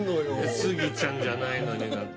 スギちゃんじゃないのにな